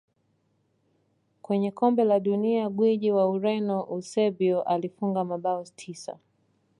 Kwenye kombe la dunia gwiji wa ureno eusebio alifunga mabao tisa